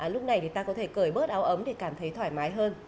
lúc này thì ta có thể cởi bớt áo ấm để cảm thấy thoải mái hơn